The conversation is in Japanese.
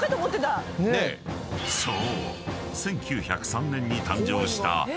［そう］